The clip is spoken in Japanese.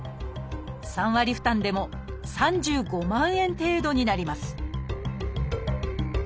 ３割負担でも３５万円程度になります